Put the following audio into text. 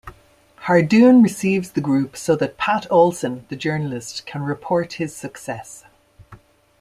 Hardoon receives the group so that Pat Olsen, the journalist, can report his success.